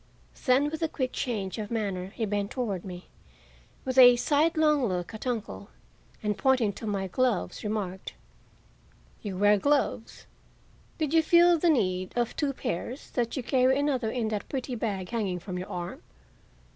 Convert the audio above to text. Then, with a quick change of manner, he bent toward me, with a sidelong look at uncle, and, pointing to my gloves, remarked: "You wear gloves. Did you feel the need of two pairs, that you carry another in that pretty bag hanging from your arm?"